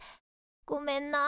ごめんな。